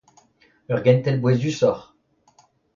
Ur gentel bouezusoc'h.